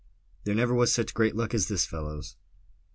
"There never was such great luck as this, fellows!"